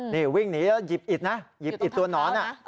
นี่วิ่งหนีแล้วหยิบอิดนะหยิบอิดตัวหนอน